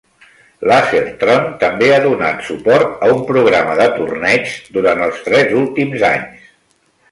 LaserTron també ha donat suport a un programa de torneigs durant els tres últims anys.